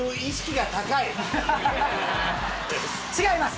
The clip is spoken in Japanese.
違います。